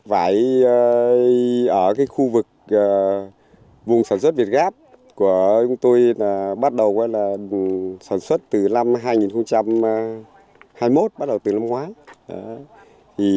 vải ở khu vực vùng sản xuất việt gáp của chúng tôi bắt đầu sản xuất từ năm hai nghìn hai mươi một bắt đầu từ năm ngoái